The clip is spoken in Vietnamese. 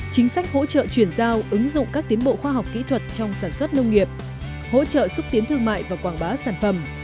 chính sách hỗ trợ chuyển giao ứng dụng các tiến bộ khoa học kỹ thuật trong sản xuất nông nghiệp hỗ trợ xúc tiến thương mại và quảng bá sản phẩm